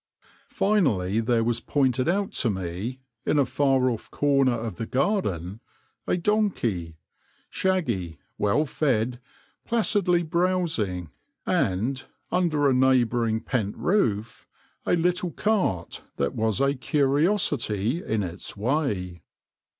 Finally there was pointed out to me, in a far off corner of the garden, a donkey — shaggy, well fed, placidly browsing — and, under a neigh bouring pent roof, a little cart that was a curiosity in its way.